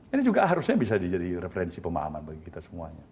ini juga harusnya bisa jadi referensi pemahaman bagi kita semuanya